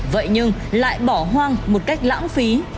vậy nhưng lại bỏ hoang một cách lãng phí